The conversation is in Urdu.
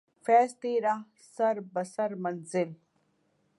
فیضؔ تھی راہ سر بسر منزل